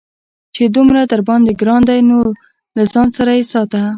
چې دومره درباندې گران دى نو له ځان سره يې ساته.